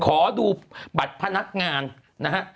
ขอดูบัตรพนักงานนะฮะ